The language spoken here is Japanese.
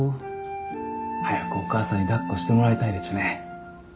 早くお母さんに抱っこしてもらいたいでちゅね。